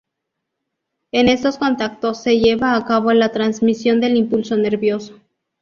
En estos contactos se lleva a cabo la transmisión del impulso nervioso.